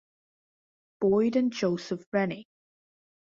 Boyd, and Joseph Rennie.